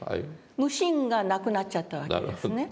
無心がなくなっちゃったわけですね。